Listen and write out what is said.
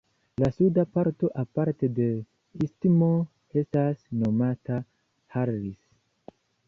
La suda parto aparte de istmo estas nomata Harris.